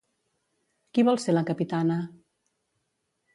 Qui vol ser la capitana?